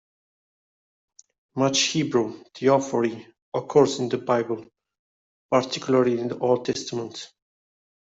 Much Hebrew theophory occurs in the Bible, particularly in the Old Testament.